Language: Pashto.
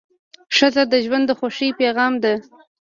ښځه د ژوند د خوښۍ پېغام ده.